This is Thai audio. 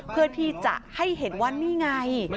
เพื่อที่จะให้เห็นว่านี่ไง